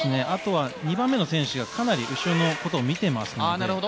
２番目の選手はかなり後ろのことを見ていますね。